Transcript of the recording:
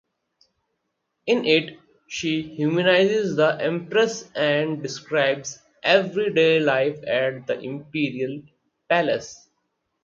In it she humanizes the empress and describes everyday life at the Imperial Palace.